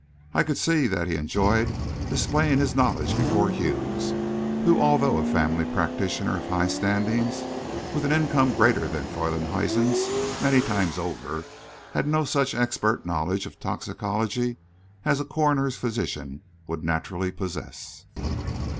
I could see that he enjoyed displaying his knowledge before Hughes, who, although a family practitioner of high standing, with an income greater than Freylinghuisen's many times over, had no such expert knowledge of toxicology as a coroner's physician would naturally possess.